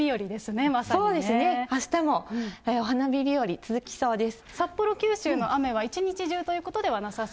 そうですね、あしたもお花見日和続きそうです。